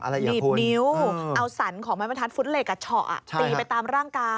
หนีบนิ้วเอาสรรของไม้บรรทัดฟุตเหล็กเฉาะตีไปตามร่างกาย